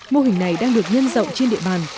mô hình này đang được nhân rộng trên địa bàn